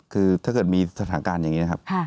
คือถ้าเกิดมีสถานการณ์อย่างนี้นะครับ